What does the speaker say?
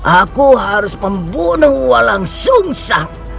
aku harus membunuh walang sumsang